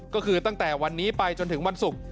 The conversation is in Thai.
ก็คือตั้งแต่วันนี้ไปจนถึงวันศุกร์